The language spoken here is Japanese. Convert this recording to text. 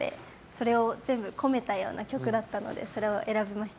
それを全部込めたような曲だったのでそれを選びました。